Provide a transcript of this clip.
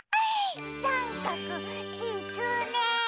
さんかくきつね！